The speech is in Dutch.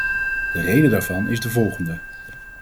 De reden daarvan is de volgende.